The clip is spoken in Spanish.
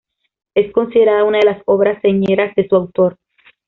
Es considerada una de las obras señeras de su autor.